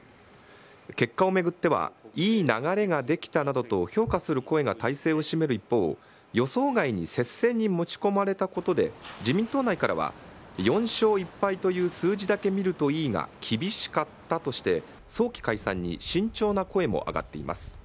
結果を巡っては、いい流れができたなどと評価する声が大勢を占める一方、予想外に接戦に持ち込まれたことで、自民党内からは、４勝１敗という数字だけ見るといいが、厳しかったとして、早期解散に慎重な声も上がっています。